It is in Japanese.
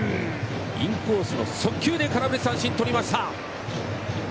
インコースの速球で空振り三振を取りました。